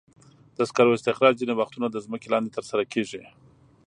د سکرو استخراج ځینې وختونه د ځمکې لاندې ترسره کېږي.